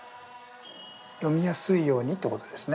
読みやすいようにってことですね。